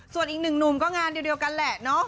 ส่วนอีกหนึ่งหนุ่มก็งานเดียวกันแหละเนาะ